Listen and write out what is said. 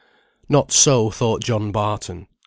Not so thought John Barton.